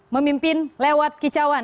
memimpin lewat kicauan